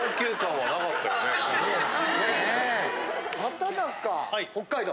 畠中北海道？